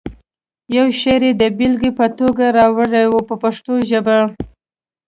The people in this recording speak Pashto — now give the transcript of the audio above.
یو شعر یې د بېلګې په توګه راوړو په پښتو ژبه.